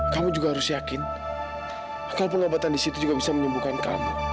kamu juga harus yakin kalau pengobatan disitu juga bisa menyembuhkan kamu